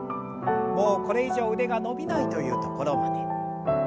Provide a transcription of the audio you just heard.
もうこれ以上腕が伸びないというところまで。